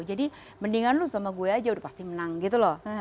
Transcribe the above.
jadi mendingan lu sama gue aja udah pasti menang gitu loh